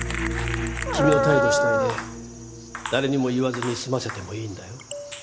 君の態度次第で誰にも言わずに済ませてもいいんだよ。